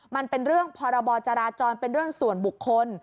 มันเป็นเรื่องพรบจราจรเป็นเรื่องส่วนบุคคล